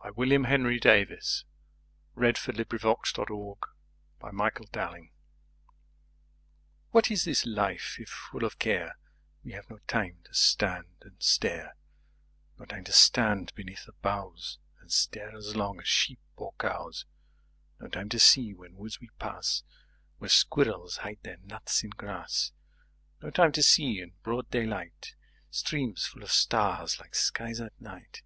by Osbert Sitwell (London: Jonathan Cape, 1963): 140 41. PR 6007 A8A17 1What is this life if, full of care,2We have no time to stand and stare.3No time to stand beneath the boughs4And stare as long as sheep or cows.5No time to see, when woods we pass,6Where squirrels hide their nuts in grass.7No time to see, in broad daylight,8Streams full of stars like skies at night.